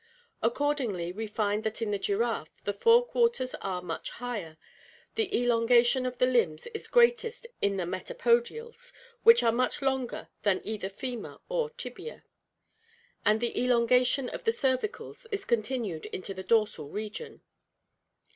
Accordingly we find that in the giraffe the fore quarters are much higher, the elongation of the limbs is greatest in the metapodials, which are much longer than either femur or tibia, and the elongation of the cervicals is continued into the dorsal region.